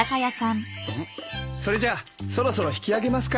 それじゃあそろそろ引き揚げますか？